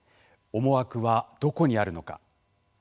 思惑は、どこにあるのか。